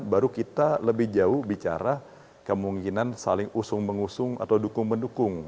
baru kita lebih jauh bicara kemungkinan saling usung mengusung atau dukung mendukung